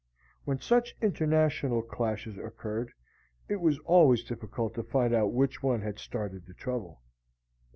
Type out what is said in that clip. (When such international clashes occurred, it was always difficult to find out which one had started the trouble.)